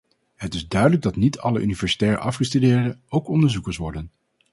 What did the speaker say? Het is duidelijk dat niet alle universitair afgestudeerden ook onderzoekers worden.